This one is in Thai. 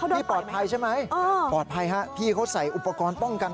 พี่ปลอดภัยใช่ไหมปลอดภัยฮะพี่เขาใส่อุปกรณ์ป้องกัน